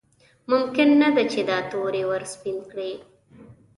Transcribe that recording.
ممکن نه ده چې دا تور یې ورسپین کړي.